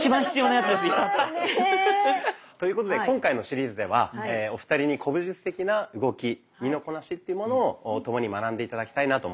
やった！ということで今回のシリーズではお二人に古武術的な動き身のこなしというものを共に学んで頂きたいなと思っています。